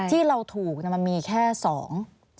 ที่เราถูกมันมีแค่สอง